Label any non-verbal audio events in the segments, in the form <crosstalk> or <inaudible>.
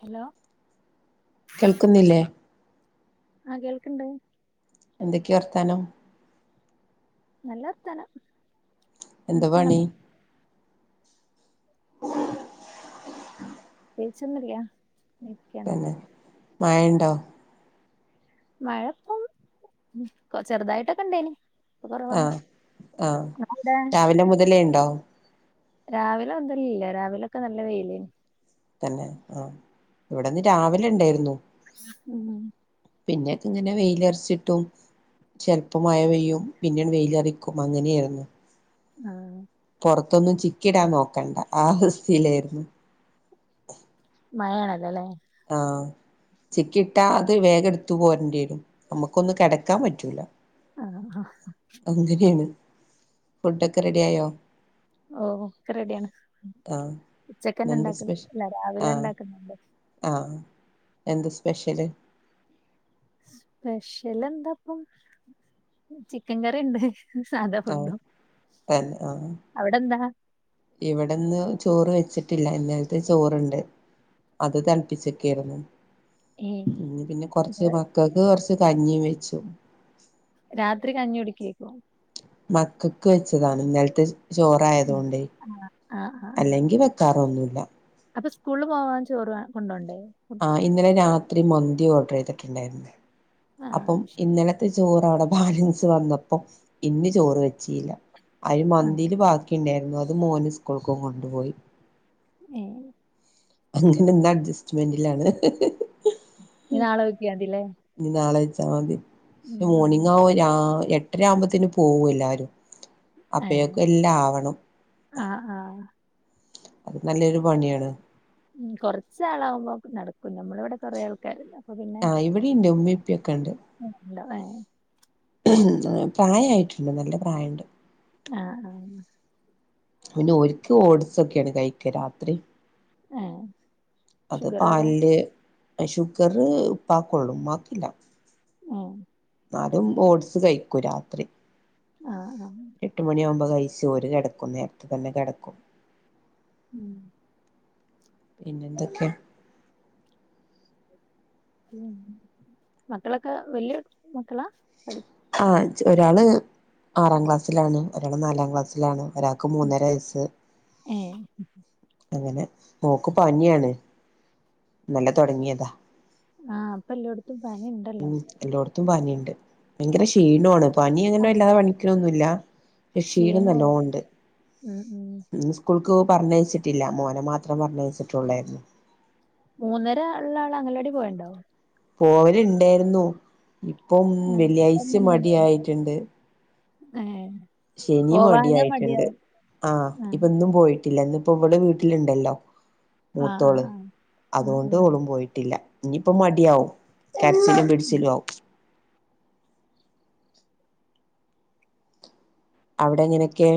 Hello കേൾക്കുന്നില്ലേ ആഹ് കേൾക്കണ്ട് എന്തൊക്കെയ വർത്താനം നല്ല വർത്താനം എന്ത എന്താ നിങ്ങ പണി കൈച്ചന്നില്ല പിന്നെ മഴണ്ടേ മഴ ഇപ്പം ചെറുതായിട്ടൊക്കെ ഉണ്ടന് ആഹ ആഹ് അവിടെ രാവിലെ മുതലേ ഉണ്ടോ രാവിലെ മുതൽ ഇല്ല രാവിലെക്കെ നല്ല വെയിലേനി തന്നെ ആഹ ഇവിടെന്ന് രാവിലെ ഉണ്ടായിരുന്നു ഉം പിന്നെക്കെ ഇങ്ങനെ വെയിലർചിട്ടു ചെലപ്പ മഴ പെയ്യും പിന്ന വെയിലറിക്കും അങ്ങനെയായിരുന്നു ആഹ് പുറത്തൊന്നും ചിക്കിടാൻ നോക്കണ്ട ആ അവസ്ഥയിലായിരുന്നു മഴണല്ലല്ലേ ആഹ് ചിക്കിട്ടാ അത് വേഗം എടുത്തു പോരണ്ടരും നമ്മുക്കൊന്നും കടക്കാൻ പറ്റൂല ആഹ് അങ്ങനെയാണ് ഫുഡ ഒക്കെ റെഡി ആയോ ഓ ഒക്കെ റെഡിയാണ് ആഹ് ഉച്ചക്ക്ന്നെ ഇന്നെന്താ സ്പെഷ്യൽ ഉണ്ടാക്കല്ല രാവിലെ ആഹ് ഉണ്ടാക്കുന്നുണ്ട് ആഹ് എന്ത് സ്പെഷ്യല് സ്പെഷ്യൽ എന്താപ്പം ചിക്കൻ കറി ഉണ്ട് സാധാ ആഹ് ഫുഡും തന്നെ ആഹ് അവിടെ എന്താ ഇവിടെന്ന് ചോറ് വെച്ചിട്ടില്ല ഇന്നലത്തെ ചോറണ്ട് അത് തണപ്പിച്ചക്കൊയിരുന്നു ഏ പിന്നെ കുറച്ച് നിങ്ങള് മക്കക്ക് കുറച്ച് കഞ്ഞി വെച്ചു രാത്രി കഞ്ഞി കുടിക്കെക്കും മക്കൾക്ക് വെച്ചതാണ് ഇന്നലത്തെ ചോറായതുകൊണ്ട് ആഹ് ആഹ് ആഹ് അല്ലെങ്കിൽ വെക്കാറൊന്നുമല്ല അപ്പൊ സ്കൂളിൽ പോവാൻ ചോറ കൊണ്ടോണ്ടേ ആഹ് ഇന്നലെ രാത്രി മന്തി ഓർഡർ ചെയ്തിട്ടുണ്ടായിരുന്നു ആഹ് അപ്പം ശരി ഇന്നലെ ചോറ്അവിടെ ബാലൻസ് വന്നപ്പോ ഇന്ന് ചോറ് വെച്ചില്ല അഹ് ആഹ് മന്തിൽ ബാക്കി ഒ ഉണ്ടായിരുന്നു അത് മോന് സ്കൂൾക്കും കൊണ്ടുപോയി ഏഹ് അങ്ങനെ എന്ത അഡ്ജസ്റ്റ്മെന്റിലാണ് ഇനി നാളെ നോക്കിയ മതില്ലേ ഇനി നാളെ വെച്ചാൽ മതി പക്ഷെ മോർണിംഗ് രാ എട്ട രാവുമ്പോത്തിന് പോകും എല്ലാവാരും ഏഹ് അപ്പയൊക്കെ എല്ലാ ആവണം ആഹ് ആഹ് അത് നല്ലൊരു പണിയാണ് ഉ കൊറച്ചാളാകുമ്പോ നടക്കും നമ്മള ഇവിടെ കുറേ ആൾ ക്കാര് അപ്പൊ പിന്നെ ആഹ് ഇവിടിണ്ട് ഉമമിം ഉപ്പിയൊക്കെ ഇണ്ട് ആഹ് നല്ലപ്രയായോ പ്രായായിട്ടുണ്ട് നല്ല പ്രായണ്ട് ആഹ് ആഹ്. പിന്നെ ഓര്ക്ക് ഓട്സൊക്കേണ് കഴിക്ക രാത്രി ഏഹ് അത് ഷുഗർ ആരാ പാലില് ആഹ് ഷുഗർ ഉപ്പാക്കൊള്ളൂ ഉമ്മാക്കില്ല ആഹ് എന്നാലും ഓഡ്സ് കഴിക്കൂ രാത്രി ആഹ് ആഹ് എട്ട് മണിയാവുമ്പോ കഴിച്ച് ഓര് കെടക്കും നേരത്തെ തന്നെ കെടക്കും ഉം പിന്നെന്തക്കെ പിന്ന മക്കളൊക്കെ വല്ല്യ മക്കളാ പഠി ആഹ് ഇച്ച് ഒരാള് ആറാം ക്ലാസ്സിലാണ് ഒരാൾ നാലാം ക്ലാസ്സിലാണ് ഒരാൾ മൂന്നരവയസ് ഏഹ് അങ്ങനെ ഓക്ക് പനിയാണ് ഇന്നലെ തൊടങ്ങിയേതാ. ആഹ് ഇപ്പെല്ലോട്ത്തും പനി ഇണ്ട് ഉം എല്ലോട്ത്തും പനിണ്ട് ഭയങ്കര ക്ഷീണമാണ് പനി അങ്ങനെ വല്ലാതെ പനിക്ക്ണൊന്നുല്ല ക്ഷീണം ക്ഷീണാവും നല്ലോണ്ട് ഉം ഉം സ്കൂൾക്ക് പറഞ്ഞേച്ചിട്ടില്ല മോനെ മാത്രം പറഞ്ഞേച്ചിട്ടുള്ളായിരുന്നു മൂന്നര ഇള്ള ആൾ അംഗലവാടി പോയണ്ടോ പോവൽണ്ടായിരുന്നു ഇപ്പം വെള്ളിയാഴ്ച മടി ആയിട്ടുണ്ട് ഏഹ് ശെനിം മടി പോവാഞ്ഞാ ആയിട്ട്ണ്ട് മടിയാവും ആഹ് ഇപ്പ ഇന്നും പോയി ട്ടില്ലന്ന് ഇപ്പോ ഇവള് വീട്ടിലുണ്ടല്ലോ ആഹ് ആഹ് മൂത്തോള് ആഹ് ഉം അതോണ്ട് ഉം ഓളും പോയിട്ടില്ല. ഇഞ്ഞിപ്പോ മടിയാവും കരച്ചിലും പിടിച്ചിലും ആവും അവ്ടെ എങ്ങനെക്കെ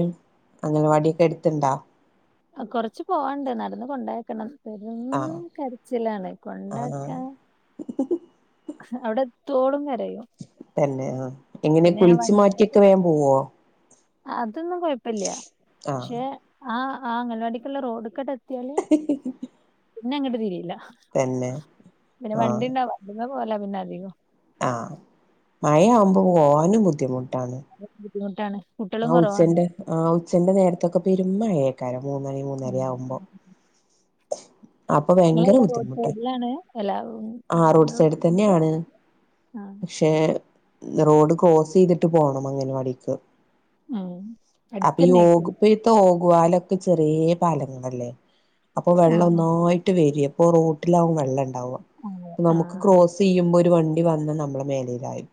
അംഗനവാടിയൊക്കെ എടുത്ത്ണ്ടോ? ആഹ് കൊറച്ച് പോവാണ്ട് നടന്ന് കൊണ്ടെയാക്കണം പെരും ആഹ് കരച്ചിലാണ് ആഹ് കൊണ്ടാക്കാ അവിടെത്തോളും കരയും തന്നെ ആഹ് എങ്ങനെ പിന്നെ ഞാൻ കുളിച്ചു വണ്ടി മാറ്റിയൊക്കെ വേം പോവോ അതൊന്നും കൊഴപ്പല്ല ആഹ് പക്ഷെ ആ ആഹ് അംഗൽവാടിക്ക്ള്ള റോഡ്ക്കാണ് എത്തിയാല് <inaudible> പിന്നെ അങ്ങട്ട് തിരീല തന്നെ പിന്നെ വണ്ടി ആഹ് ഇണ്ടാവും വണ്ടിമ്മെ പോവല പിന്നെ അധികം ആഹ് മഴ ആവുമ്പോ പോവാനും ബുദ്ധിമുട്ടാണ് ബുദ്ധിമുട്ടാണ് കുട്ടികളും ആഹ് കുറവാണ് ഉച്ചന്റെ ആഹ് ഉച്ചന്റെ നേരത്തൊക്കെ പെരുമ്മഴേയേക്കാരം മൂന്നണി മൂന്നര ആവുമ്പോ അപ്പൊ ഭയങ്കര ഇങ്ങെളെവ്ടെ റോഡ് ബുദ്ധിമുട്ടാ സൈഡിലാണ് എല്ലാ ആ റോഡ് <inaudible> ആഹ് ക്ഷേ റോഡ് ക്രോസ് ചെയ്തിട്ട് പോണം അംഗനവാടിക്ക് ഉം അപ്പൊ ഈ അടുത്തന്നേക്കും ഓഗ് ഇപ്പഴ്ത്തെ ഓഗുവാലൊക്കെ ചെറ്യേ പാലങ്ങളല്ലേ. അപ്പൊ വെള്ളം ആഹ് ഒന്നായിട്ട് വര്വേ. അപ്പൊ റോട്ടിലാവും വെള്ളംണ്ടാവാ. ആഹ് ആഹ് നമുക്ക് അത് ക്രോസ് ചെയ്യുമ്പോ ഒരു വണ്ടി വന്നാ നമ്മളെ മേലേലായി.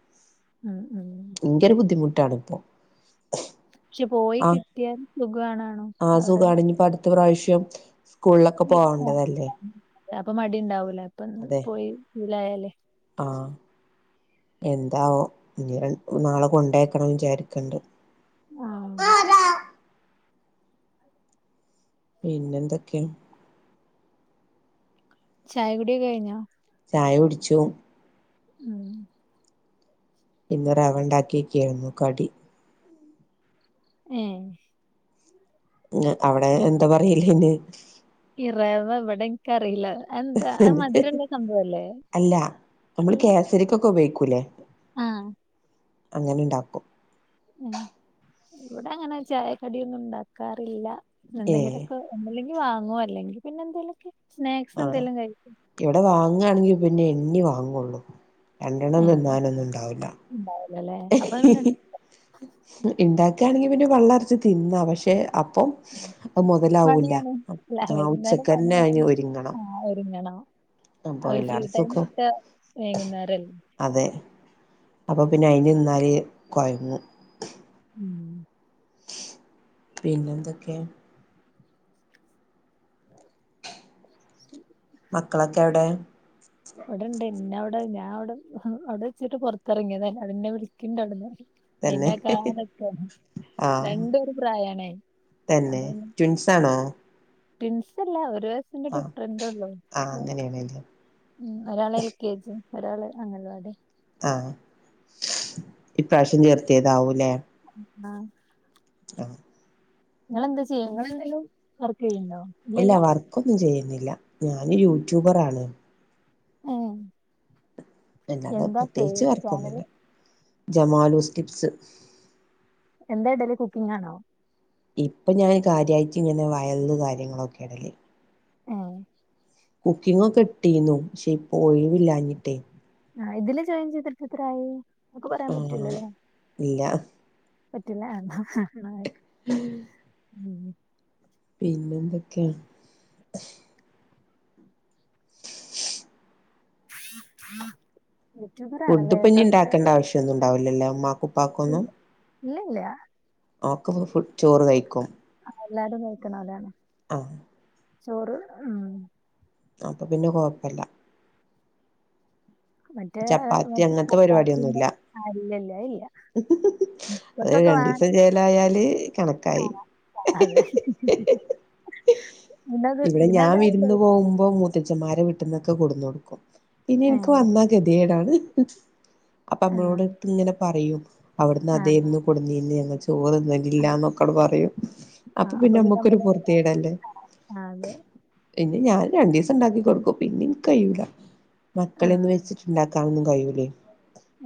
ഉം ഉം ഭയങ്കര ബുദ്ധിമുട്ടാണ് ഇപ്പോ. പക്ഷെ പോയി കിട്ടിയാൽ സുഖാണാണും. ആഹ് അവിടെ സുഖാണ്. ഇഞ്ഞ് പ്പ അടുത്ത പ്രാവശ്യം സ്കൂളിലൊക്കെ പോവണ്ടതല്ലേ. അപ്പൊ മടി ണ്ടാവൂലേ ഇപ്പം ന്ന് പോയി ശീലായാലേ ആഹ്. എന്താവം ഇനി രൺ നാളെ കൊണ്ടേക്കണം വിചാരിക്ണ്ട്. ആഹ്. പിന്നെന്തൊക്കെ? ചായ കുടിയൊക്കെ കഴിഞ്ഞോ? ചായ കുടിച്ചു. ഉം ഇന്ന് റവണ്ടാക്ക്യേക്കേര്ന്നു കടി. ഏഹ്. ഞ് അവിടെ എന്താ പറയലയ്ന്? ഇ റവ ഇവട ഇൻക്കറീല്ല. അതെന്താ അത് മധുരള്ള സംഭവല്ലേ അല്ല ത്തിരിക്കൊക്കെ ഉപയോഗിക്കൂല്ലേ. ആഹ്. അങ്ങനെണ്ടാക്കും. ഉം. ഇവടെ അങ്ങനെ ചായക്കടിയൊന്നും ഉണ്ടാക്കാറില്ല. ഏ എന്തെങ്കിലൊക്ക ഒന്നല്ലെങ്കി വാങ്ങു അല്ലെങ്കി പിന്നെ എന്തെലൊക്കെ സ്നാക്സ് എന്തേലും കഴിക്കും. ഇവടെ വാങ്ങാണെങ്കി പിന്നെ എണ്ണി വാങ്ങൊള്ളു രണ്ടെണ്ണം തിന്നാനൊന്നും ഉണ്ടാവൂല്ല. ഉണ്ടാവൂല ല്ലേ അപ്പം പിന്നെ. ഇണ്ടാക്കാണെങ്കി പിന്നെ പള്ള നറച്ച് തിന്നാ പക്ഷെ അപ്പം അത് മുതലാവൂല്ല പണിയാണ് ആഹ് ഉച്ചക്കെന്നെ അയ്ന് ഒരുങ്ങ ആഹ് ഒരുങ്ങണം. ആ ഒര് ഫ്രീ എല്ലാരും ടൈം സുഖം കിട്ടാ വൈകുന്നേരല്ലേ. അതെ. അപ്പോ പിന്നെ അയിന് നിന്നാൽ കൊയങ്ങും. ഉം പിന്നെന്തൊക്കെ? ഉ <unintelligible> മക്കളൊക്കെ എവിടെ? ഇവടെണ്ട്. ഇന്നെ അവടെ ഞാൻ അവ്ടെ അവ്ടെ വെച്ചിട്ട് പുറത്തിറങ്ങിയതാ. ഇന്നെ വിളിക്കിണ്ട് അവ്ട്ന്ന്. തന്നെ മൈൻഡാക്കാതെ നിക്കാണ്. ആഹ് രണ്ടു ഒരു പ്രായാണേ. തന്നെ. അപ്പൊ ട്വിൻസ് ആണോ? ട്വിൻസ് അല്ല ഒരു വയസിന്റെ ആഹ് ഡിഫറെന്റ് ഒള്ളൂ. ആഹ് അങ്ങനേണ് ല്ലെ. ഉം ഒരാള് എൽ കെ ജിം, ഒരാള് അംഗൽവാടി. ആഹ് ഇപ്രാവശ്യം ചേർത്തിയതാവൂല്ലേ. ആഹ്. ആഹ് ഇങ്ങെളെന്താ ചെയ്യ ഇങ്ങെളെന്തേലും വർക്കെയ്യ്ണ്ടോ? ഇല്ലാ വർക്കൊന്നും ചെയ്യ്ന്നില്ല ഞാന് യൂട്യൂബറാണ് ഏഹ് പിന്നത് എന്താ പേര് പ്രത്യേകിച്ച് ചാനല് വർക്കൊന്നുല്ല ജമാലൂസ് ടിപ്സ് എന്താ ഇടെല് കുക്കിംങ്ങാണോ ഇപ്പ ഞാന് കാര്യായിട്ട്ങ്ങെനെ വയള് കാര്യങ്ങളൊക്കെടെല് ഏഹ് കുക്കിങ്ങൊക്കെ ഇട്ടീന്നു ക്ഷേ ഇപ്പൊ ഒയ്‌വില്ലാഞ്ഞിട്ടേ ആഹ് ഇതില് ജോയിൻ ചെയ്തിട്ടെത്രായി നമുക്ക് പറയാം ആഹ് പറ്റൂലലേ ഇല്ല പറ്റുലാ ആഹ് ന്നാ ന്നായ്കോ ഉം ഉം പിന്നെന്തൊക്കെ യൂടൂബറാണല്ലേ സബ്സ്ക്രൈബ് യെന്നും ണ്ടാവ്‌ലല്ലാ മ്മാക്കും ഇല്ല ഇല്ല ഇല്ലാ ഓക്ക <unintelligible> ഫു ചോറ് കഴിക്കും ആഹ് എല്ലാരും കഴിക്ക്ണാേലാലേ ആഹ് ചോറ് ഉം അപ്പൊ പിന്നെ കാെഴ്പ്പല്ലാ മറ്റേ ചപ്പാത്തി മറ്റ അങ്ങനത്തെ ചപ്പാത്തിന്റെ പരിപാടിയൊന്നുല്ല ആഹ് ഇല്ലല്ലാ അത് ഇല്ലാ ഉം അത് ക്കൊക്കെ രണ്ടീസം വേണെങ്കി ചേലായാല് <unintelligible> കണക്കായി ആഹ് അതെ പിന്നത് ഇവിടെ ഞാൻ പിന്നത് വിര്ന്ന് പോവുമ്പം മൂത്തച്ഛമ്മാരെ വീട്ട്ന്നൊക്കെ കൊട്ന്ന് കൊട്ക്കും പിന്നെ ഏ ഇൻക്ക് വന്നാ ഗത്യേടാണ് അപ്പ ആ അമ്മളോട്‌ട്ട്ങ്ങെനെ പറയും അവ്ട്ന്ന് ആ അതേര്ന്നു കൊട്ന്നീന്യേ ഞങ്ങൾ ചോറ്ന്ന് ല്ലാന്നൊക്കട് പറയും അപ്പൊ പിന്നെ നമ്മക്കൊരു പാെർത്യേടല്ലേ ആ, അതെ പിന്നെ ഞാൻ രണ്ടീസംണ്ടാക്കി കൊട്ക്കും പിന്നെ ഇൻക്കയ്യൂലാ ആ മക്കളെന്നും വെച്ചിട്ട് ണ്ടാക്കാനാെന്നും കയ്യൂലേ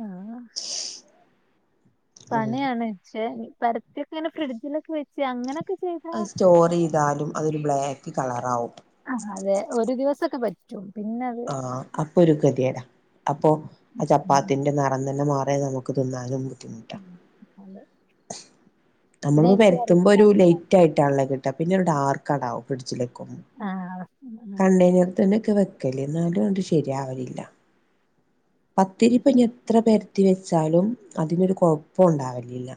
ആഹ് ഉം പണ്യാണ് പക്ഷെ പരത്ത്യൊക്കെങ്ങെനെ ഫ്രിഡ്ജിലൊക്കെ വെച്ച് അങ്ങെനൊക്കെ അത് സ്റ്റോറെയ്താലും അതൊരു ബ്ലാക്ക് കളറാവും ആഹ് അതെ ഒരു ദിവസൊക്കെ പ പിന്നത് ആഹ് അപ്പൊരു കെത്യേടാ അപ്പാെ ആ ഉം ചപ്പാത്തിന്റെ നെറം തന്നെ മാറ്യാ നമു ക്ക് ത്‌ന്നാനും ഉം ഹലോ നമ്മള്പ്പോ പെര്ത്തുമ്പാെര് ലൈറ്റായ്ട്ടാണ്ല്ല കിട്ട പിന്നൊരു ഡാർക്കാണ്ടാവും ഫ്രിഡ്ജ്ല് ക്കും ആ ഉം, ഉം, കണ്ടെയ്നെർത്ത്ന്നെക്കെ വെ ക്കെല് ന്നാലുആണ്ട് ശര്യാവലില്ലാ ഉം. പത്തിരിപ്പെഞ്ഞെത്ര പെര് ത്തി വെച്ചാലും അതിനൊരു കൊഴുപ്പുണ്ടാവല്ലില്ലാ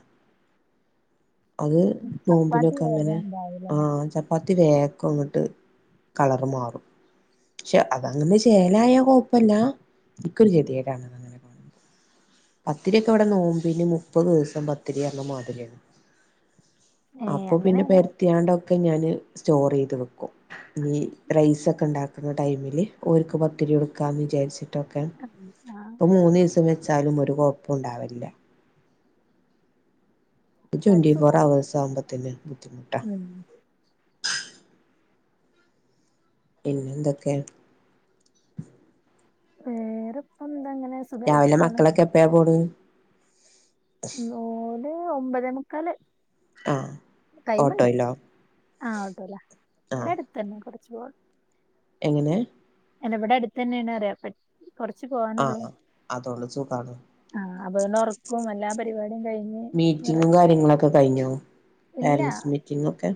അത് ചപ്പാത്തി നോമ്പിനൊക്കെ അങ്ങെനെ വേഗം ഇണ്ടാക്കും ആഹ് ചപ് പ്പാത്തി വേക്കംങ്ങെട്ട് കളറ് മാറും പക്ഷെ അതങ്ങെനെ ചേലായ കൊഴ്പ്പല്ലാ ൻക്കാെര് കെത്യേടാ അങ്ങനങ്ങനെ കാണുമ്പം പത്തിര്യൊക്കെ വെടെ നോമ്പിന് മുപ്പത് ദിവ്സം പത്തിരീർഞ്ഞ മാതിര്യാണ്. ഏ അപ്പൊ പിന്നെ അങ്ങനെയാണ് പെര്ത്ത്യാണ്ടാെക്കെ ഞാന് സ്റ്റോറെയ്ത് വെക്കും ഈ റൈസാെക്കെണ്ടാ ക്കുന്ന ടൈമില് ഓൽക്ക് പത്തിരി കൊടുക്കാന്ന് വിചാരിച്ചിട്ടൊക്കെ <unintelligible> ആഹ് പ്പൊ മൂന്ന് ദിവസം വെച്ചായാലും ഒരു കൊയ്പ്പുണ്ടാവലില്ല ഒരു ട്വന്റി ഫോർ സുഖാ അവേഴ്സ് ആവുമ്പോത്തേന് ബുദ്ധിമുട്ടാ ഉം പിന്നെന്തൊക്കേ വേറെപ്പന്താങ്ങനെസ് രാവിലെ മക്കളൊക്കെ എപ്പഴാ പോണ് ഉം ഓല് ഒമ്പതേമുക്കാല്. ആഹ് ടൈമ്ണ്ട് ഓട്ടോയിലോ ആഹ് ഓട്ടോലാ ഇവിടെ ആഹ് അടുത്തന്നെ കൊർച്ച് പോകാനു എങ്ങനെ ഇവിടെ അടുത്തന്നെയാണെന്ന് പറയാ കൊറച്ച് പോവാനുള്ളൂ ആഹ് അതോണ്ട് സുഖാണ് ആഹ് അ <unintelligible> ഉറക്കവും എല്ലാ പരിപാടിയും കഴിഞ്ഞു. മീറ്റിങ്ങും കാര്യങ്ങളും ഒക്കെ കഴിഞ്ഞോ ഇല്ല പേരൻറ്സ് മീറ്റിംഗ് ഒക്കെ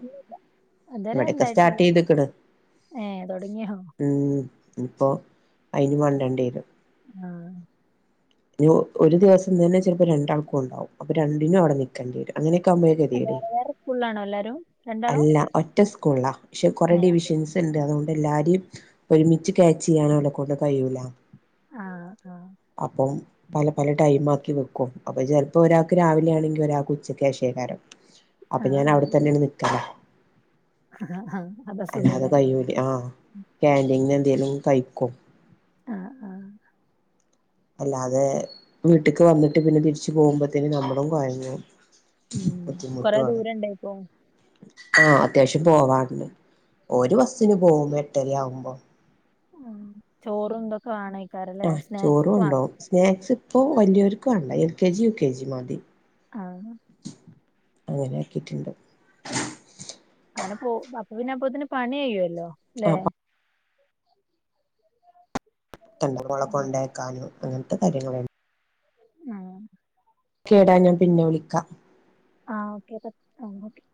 ഇവിടെയൊക്കെ സ്റ്റാർട്ട് ചെയ്ത്ക്ക്ണ്. ഏഹ് തൊടങ്ങിയോ. ഉം ഇപ്പൊ അയ്ന് മണ്ടണ്ടിവരും. ആഹ്. ഞ്ഞി ഒരു ദിവസം തന്നെ ചിലപ്പോ രണ്ടാൾക്കും ഉണ്ടാവും. അപ്പൊ രണ്ടിനും അവിടെ നിക്ക ക്കണ്ടി വരും അങ്ങനൊക്കെ ആവുമ്പോ ഗതീടേ. ഫുള്ളാണോ എല്ലാരും രണ്ടാളും അല്ല ഒറ്റ സ്കൂൾലാ ക്ഷെ കൊറെ ഏ ഡിവിഷൻസ് സ്ണ്ട് അതുകൊണ്ട് എല്ലാരിം ഒരുമിച്ച് ക്യാച്ച് ചെയ്യാന് അവരെക്കൊണ്ട് കയ്യൂല. ആ ആ അപ്പം പല പല ടൈമാക്കി വെക്കും. അപ്പൊ ചിലപ്പോ ഒരാൾക്ക് രാവിലെ ആണെങ്കി ഒരാൾക്ക് ഉച്ചക്ക് ശേഷാകും. ആ ആ അപ്പൊ ഞാന് അവിടെ തന്നെയങ്ങ് നിക്കലാ ആ അതാ അല്ലാതെ സുഖല്ലേ കഴിയൂല്ല ആ കാന്റിങ്ങ്ന്ന് എന്തേലും കഴിക്കും. ആഹ് ആഹ്. അല്ലാതെ വീട്ടിക്ക് വന്നിട്ട് പിന്നെ തിരിച്ചു പോകുമ്പോത്തേന് നമ്മളും കൊയഞ്ഞു ഉം കൊറേ ബുദ്ധിമുട്ടാണ് ദൂരം ഉണ്ടായിപ്പോ ആഹ് അത്യാവശ്യം പോവാണ്ട്. ഒരു ബസ്സിന് പോകും. എട്ടരയാവുമ്പോ ആഹ് ചോറും ഇതൊക്കെ വാണേ ആഹ് ചോറ് കൊണ്ടോവും സ്നാക്സ് ഇപ്പൊ വല്ല്യോര്ക്ക് വേണ്ട L K G, U K G മതി. ആഹ്. അങ്ങനെ ആക്കിട്ട്ണ്ട്. അങ്ങനെ പോ അപ്പ പിന്നെ അപ്പോത്തിന് പണി കഴിയുവല്ലോ. അല്ലേ ആഹ് എൻ്റെ മോളേ കൊണ്ടാക്കാനും അങ്ങൻത്തെ കാര്യങ്ങള് <unintelligible> ഉം ക്കേടാ ഞാൻ പിന്നെ വിളിക്കാ ആഹ് ഓക്കെ <unintelligible> ആഹ് ഓക്കെ